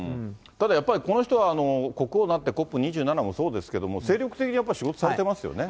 ただやっぱり、この人は国王になって、ＣＯＰ２７もそうですけども、精力的にやっぱり仕事されてますよね。